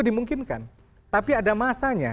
dimungkinkan tapi ada masanya